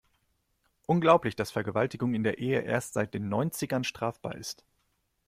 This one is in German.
Unglaublich, dass Vergewaltigung in der Ehe erst seit den Neunzigern strafbar ist.